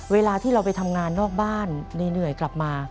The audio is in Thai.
เวลาที่เราไปทำงานนอกบ้านเหนื่อยกลับมา